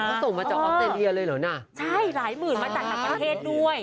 เขาส่งมาจากออสเตรเลียเลยเหรอน่ะใช่หลายหมื่นมาจากต่างประเทศด้วย